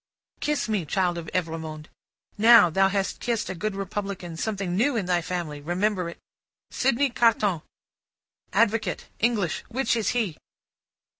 "Kiss me, child of Evrémonde. Now, thou hast kissed a good Republican; something new in thy family; remember it! Sydney Carton. Advocate. English. Which is he?"